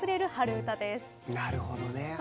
なるほどね。